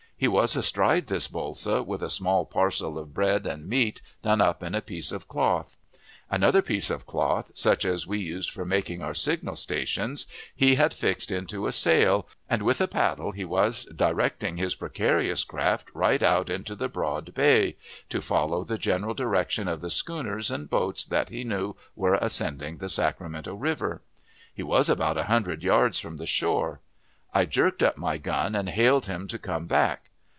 He was astride this bolsa, with a small parcel of bread and meat done up in a piece of cloth; another piece of cloth, such as we used for making our signal stations, he had fixed into a sail; and with a paddle he was directing his precarious craft right out into the broad bay, to follow the general direction of the schooners and boats that he knew were ascending the Sacramento River. He was about a hundred yards from the shore. I jerked up my gun, and hailed him to come back.